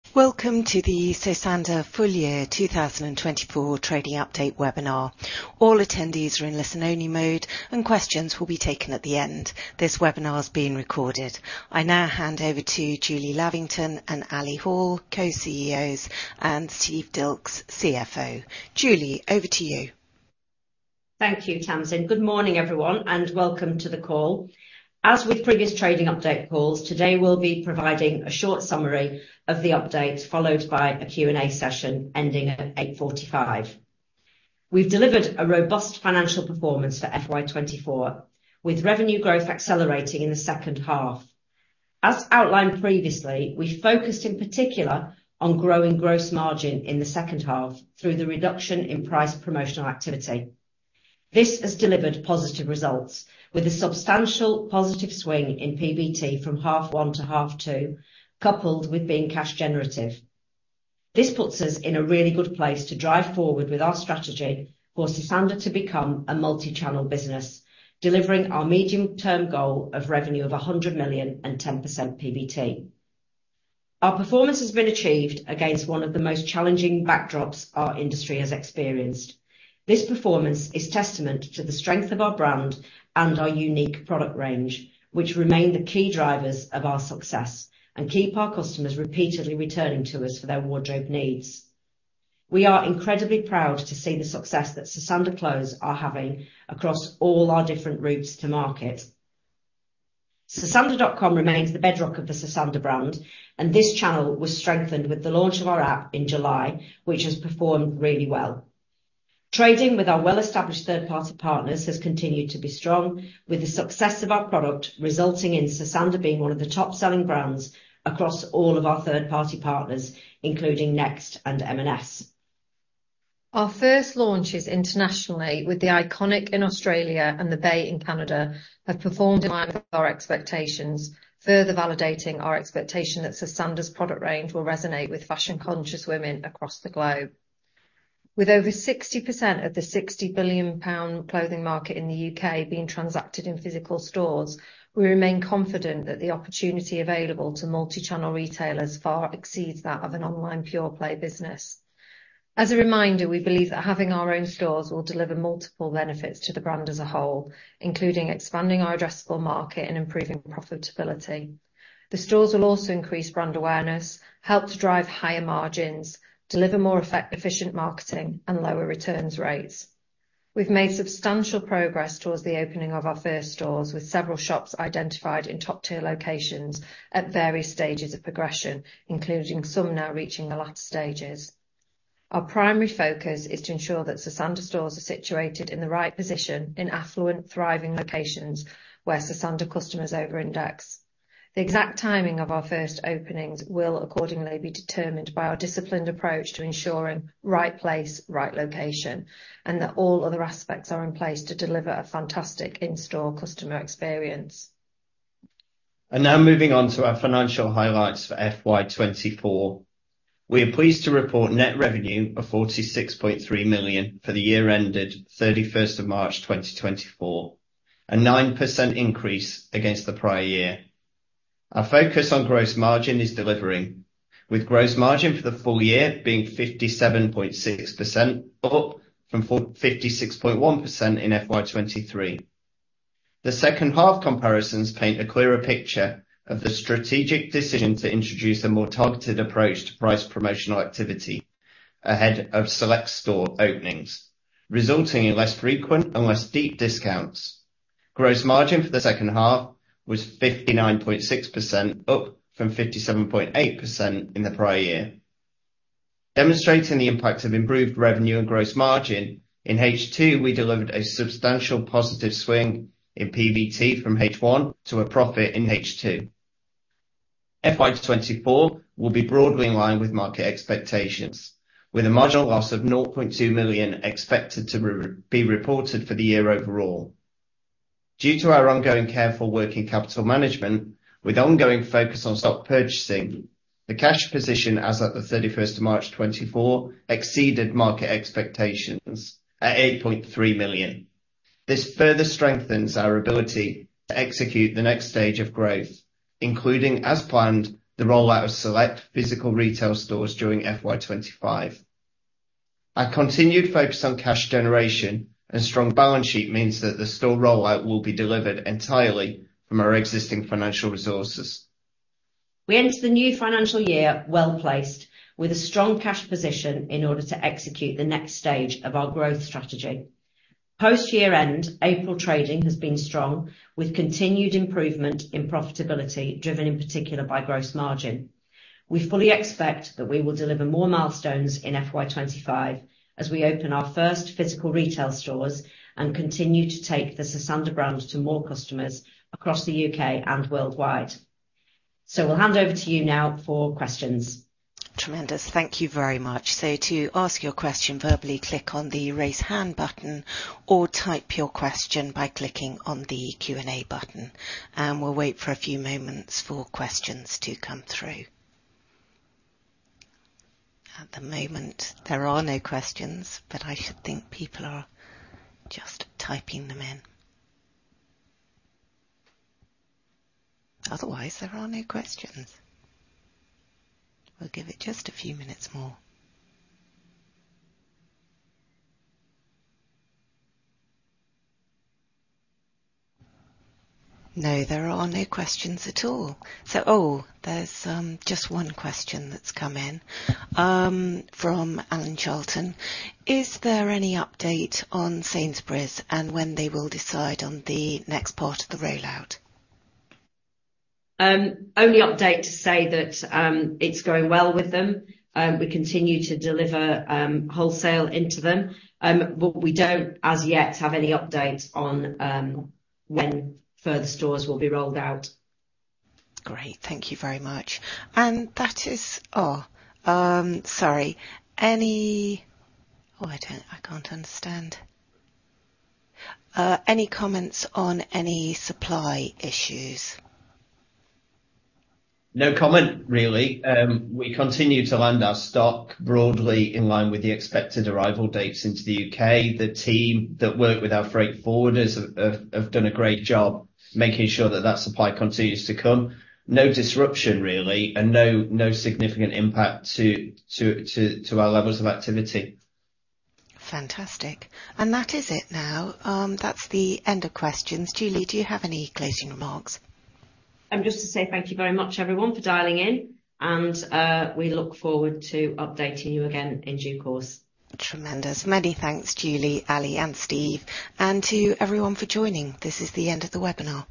Welcome to the Sosandar full year 2024 trading update webinar. All attendees are in listen-only mode, and questions will be taken at the end. This webinar is being recorded. I now hand over to Julie Lavington and Ali Hall, co-CEOs, and Steve Dilks, CFO. Julie, over to you. Thank you, Tamsin. Good morning, everyone, and welcome to the call. As with previous trading update calls, today we'll be providing a short summary of the update, followed by a Q&A session ending at 8:45 A.M. We've delivered a robust financial performance for FY24, with revenue growth accelerating in the second half. As outlined previously, we focused in particular on growing gross margin in the second half through the reduction in price promotional activity. This has delivered positive results, with a substantial positive swing in PBT from half one to half two, coupled with being cash generative. This puts us in a really good place to drive forward with our strategy for Sosandar to become a multi-channel business, delivering our medium-term goal of revenue of 100 million and 10% PBT. Our performance has been achieved against one of the most challenging backdrops our industry has experienced. This performance is testament to the strength of our brand and our unique product range, which remain the key drivers of our success and keep our customers repeatedly returning to us for their wardrobe needs. We are incredibly proud to see the success that Sosandar clothes are having across all our different routes to market. sosandar.com remains the bedrock of the Sosandar brand, and this channel was strengthened with the launch of our app in July, which has performed really well. Trading with our well-established third-party partners has continued to be strong, with the success of our product resulting in Sosandar being one of the top-selling brands across all of our third-party partners, including Next and M&S. Our first launches internationally with The Iconic in Australia and The Bay in Canada, have performed in line with our expectations, further validating our expectation that Sosandar's product range will resonate with fashion-conscious women across the globe. With over 60% of the 60 billion pound clothing market in the UK being transacted in physical stores, we remain confident that the opportunity available to multi-channel retailers far exceeds that of an online pure-play business. As a reminder, we believe that having our own stores will deliver multiple benefits to the brand as a whole, including expanding our addressable market and improving profitability. The stores will also increase brand awareness, help to drive higher margins, deliver more efficient marketing, and lower returns rates. We've made substantial progress towards the opening of our first stores, with several shops identified in top-tier locations at various stages of progression, including some now reaching the latter stages. Our primary focus is to ensure that Sosandar stores are situated in the right position in affluent, thriving locations where Sosandar customers over-index. The exact timing of our first openings will accordingly be determined by our disciplined approach to ensuring right place, right location, and that all other aspects are in place to deliver a fantastic in-store customer experience. Now moving on to our financial highlights for FY24. We are pleased to report net revenue of 46.3 million for the year ended 31st of March, 2024, a 9% increase against the prior year. Our focus on gross margin is delivering, with gross margin for the full year being 57.6%, up from 56.1% in FY23. The second half comparisons paint a clearer picture of the strategic decision to introduce a more targeted approach to price promotional activity ahead of select store openings, resulting in less frequent and less deep discounts. Gross margin for the second half was 59.6%, up from 57.8% in the prior year. Demonstrating the impact of improved revenue and gross margin, in H2, we delivered a substantial positive swing in PBT from H1 to a profit in H2. FY24 will be broadly in line with market expectations, with a marginal loss of 0.2 million expected to be reported for the year overall. Due to our ongoing careful working capital management, with ongoing focus on stock purchasing, the cash position as at March 31, 2024 exceeded market expectations at 8.3 million. This further strengthens our ability to execute the next stage of growth, including, as planned, the rollout of select physical retail stores during FY25. Our continued focus on cash generation and strong balance sheet means that the store rollout will be delivered entirely from our existing financial resources. We enter the new financial year well-placed, with a strong cash position in order to execute the next stage of our growth strategy. Post year-end, April trading has been strong, with continued improvement in profitability, driven in particular by gross margin. We fully expect that we will deliver more milestones in FY25 as we open our first physical retail stores and continue to take the Sosandar brand to more customers across the UK and worldwide. We'll hand over to you now for questions. Tremendous. Thank you very much. So to ask your question verbally, click on the Raise Hand button or type your question by clicking on the Q&A button, and we'll wait for a few moments for questions to come through. At the moment, there are no questions, but I should think people are just typing them in. Otherwise, there are no questions. We'll give it just a few minutes more. No, there are no questions at all. So. Oh, there's just one question that's come in, from Alan Charlton: Is there any update on Sainsbury's and when they will decide on the next part of the rollout? Only update to say that it's going well with them. We continue to deliver wholesale into them, but we don't, as yet, have any update on when further stores will be rolled out. Great. Thank you very much. Oh, sorry. Oh, I don't, I can't understand. Any comments on any supply issues? No comment, really. We continue to land our stock broadly in line with the expected arrival dates into the U.K. The team that work with our freight forwarders have done a great job making sure that supply continues to come. No disruption, really, and no significant impact to our levels of activity. Fantastic. That is it now. That's the end of questions. Julie, do you have any closing remarks? Just to say thank you very much, everyone, for dialing in, and we look forward to updating you again in due course. Tremendous. Many thanks, Julie, Ali, and Steve, and to everyone for joining. This is the end of the webinar.